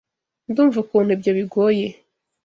Ndumva ukuntu ibyo bigoye.